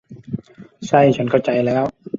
ใช่ ฉันเข้าใจแล้ว